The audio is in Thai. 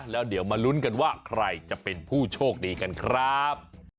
แล้วเดี๋ยวมาลุ้นกันว่าใครจะเป็นผู้โชคดีกันครับ